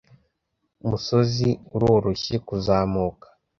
musozi uroroshye kuzamuka.